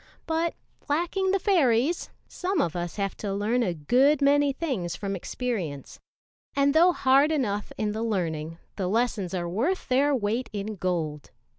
But lacking the fairies, some of us have to learn a good many things from experience; and though hard enough in the learning, the lessons are worth their weight in gold.